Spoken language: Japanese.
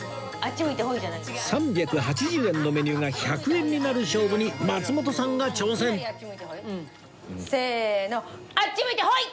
３８０円のメニューが１００円になる勝負に松本さんが挑戦せーのあっち向いてホイ！